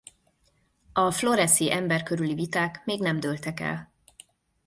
A floresi ember körüli viták még nem dőltek el.